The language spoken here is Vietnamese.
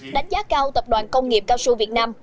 đánh giá cao tập đoàn công nghiệp cao su việt nam